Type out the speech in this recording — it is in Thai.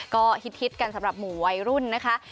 ก็ฮิตกันสำหรับหมู่วัยรุ่นนะคะ